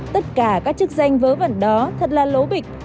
tất cả các chức danh vớ vẩn đó thật là lỗ bịch